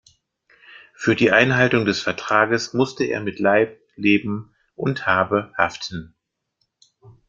Für die Einhaltung des Vertrages musste er mit Leib, Leben und Habe haften.